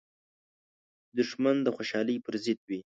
دښمن د خوشحالۍ پر ضد وي